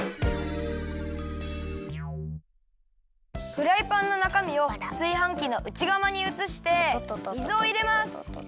フライパンのなかみをすいはんきのうちがまにうつして水をいれます。